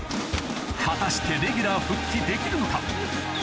果たしてレギュラー復帰できるのか？